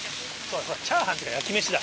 チャーハンっていうか焼き飯だ。